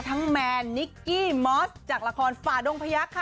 แมนนิกกี้มอสจากละครฝ่าดงพยักษ์ค่ะ